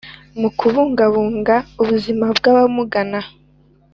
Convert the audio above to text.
Mu kubungabunga ubuzima bw’abamugana